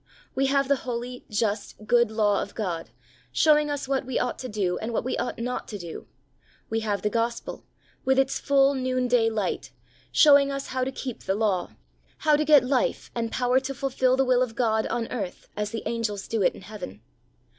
We have the holy, just, good law of God, showing us what we ought to do and what we ought not to do ; we have the Gospel, with its full noonday light, showing us how to keep the law, how to get life and power to fulfil the will of God on earth as the angels do it in heaven.